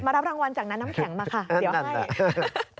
รับรางวัลจากนั้นน้ำแข็งมาค่ะเดี๋ยวให้